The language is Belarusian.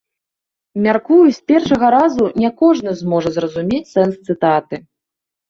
Мяркую, з першага разу не кожны зможа зразумець сэнс цытаты.